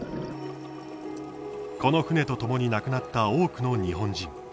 この船とともに亡くなった多くの日本人。